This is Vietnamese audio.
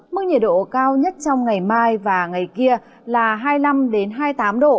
mức nhiệt độ cao nhất trong ngày mai và ngày kia là hai mươi năm hai mươi tám độ